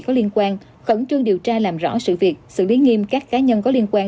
có liên quan khẩn trương điều tra làm rõ sự việc xử lý nghiêm các cá nhân có liên quan